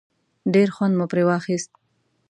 ډېر خوند مو پرې واخیست.